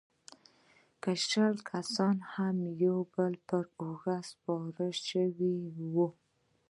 چې که شل کسان هم يو د بل پر اوږو سپاره سوي واى.